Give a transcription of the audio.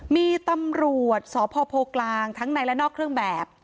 มีตำรวจสพโพกลางทั้งในและนอกเครื่องแบบ